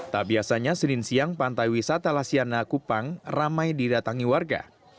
tak biasanya senin siang pantai wisata lasiana kupang ramai didatangi warga